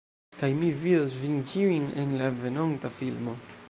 Kaj mi vidos vin ĉiujn, en la venonta filmo